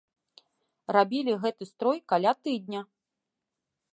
Рабілі гэты строй каля тыдня.